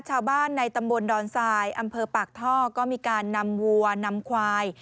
ชาวบ้านในตำบลดอนทรายอำเภอปากท่อก็มีการนำวัวนำควาย